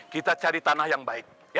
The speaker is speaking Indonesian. kita cari tanah yang baik